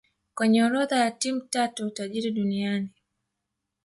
kwenye orodha ya timu tatu tajiri duniani